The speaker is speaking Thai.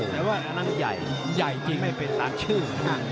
แต่ว่าอันนั้นใหญ่ไม่เป็นต่อชื่อ